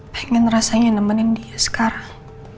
pengen rasanya nemenin dia sekarang